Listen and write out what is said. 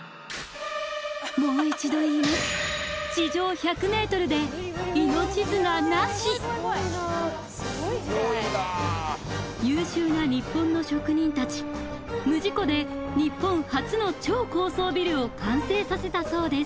もう一度言います優秀な日本の職人たち無事故で日本初の超高層ビルを完成させたそうです